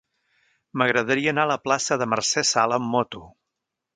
M'agradaria anar a la plaça de Mercè Sala amb moto.